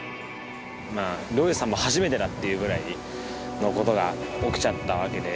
漁師さんも初めてだっていうぐらいの事が起きちゃったわけで。